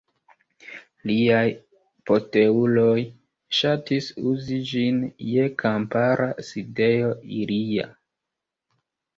Liaj posteuloj ŝatis uzi ĝin je kampara sidejo ilia.